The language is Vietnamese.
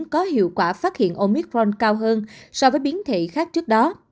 có hiệu quả phát hiện omitpron cao hơn so với biến thể khác trước đó